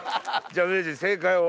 じゃあ名人正解を。